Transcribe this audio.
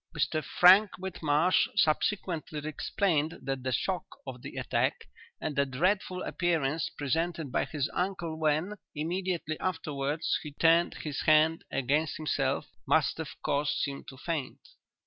"'Mr Frank Whitmarsh subsequently explained that the shock of the attack, and the dreadful appearance presented by his uncle when, immediately afterwards, he turned his hand against himself, must have caused him to faint.